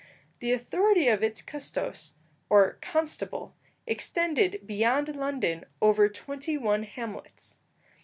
The authority of its custos, or constable, extended, beyond London, over twenty one hamlets.